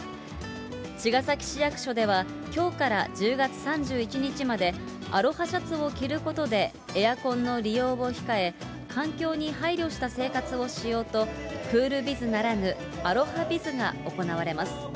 茅ヶ崎市役所ではきょうから１０月３１日まで、アロハシャツを着ることでエアコンの利用を控え、環境に配慮した生活をしようと、クールビズならぬアロハビズが行われます。